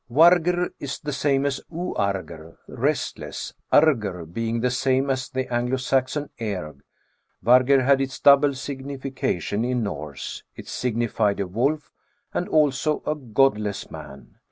Vargr is the same as tb argr, restless ; argr being the same as the Anglo Saxon earg. Vargr had its donble signification in Norse. It signified a wolf, and also a godless man.